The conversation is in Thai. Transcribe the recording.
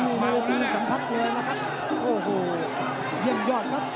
สัมพันธ์เลยนะครับโอ้โหเยี่ยมยอดครับ